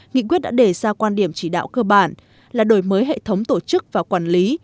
nghị quyết đã đề ra quan điểm chỉ đạo cơ bản là đổi mới hệ thống tổ chức và quản lý